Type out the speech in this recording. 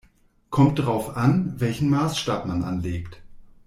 Kommt drauf an, welchen Maßstab man anlegt.